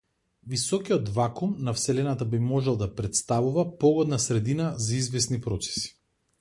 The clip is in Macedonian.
Високиот вакуум на вселената би можел да претставува погодна средина за извесни процеси.